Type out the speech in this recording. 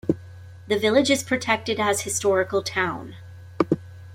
The village is protected as historical town.